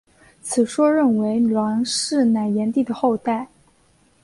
此说认为栾氏乃炎帝的后代。